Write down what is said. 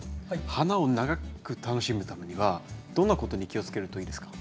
花を長く楽しむためにはどんなことに気をつけるといいですか？